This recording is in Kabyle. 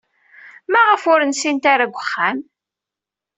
Maɣef ur nsint ara deg uxxam?